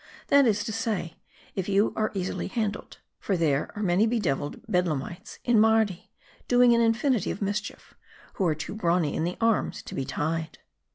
That is to say, if you be easily handled. For there are many bedevil ed Bedlamites in Mardi, doing an infinity of mischief, who are too brawny in the arms to be tied."